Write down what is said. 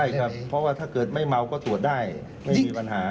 ใช่ครับเพราะว่าถ้าเกิดไม่เมาก็ตรวจได้ไม่มีปัญหา